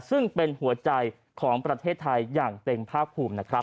ซึ่งเป็นหัวใจของประเทศไทยอย่างเต็มภาคภูมินะครับ